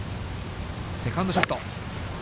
セカンドショット。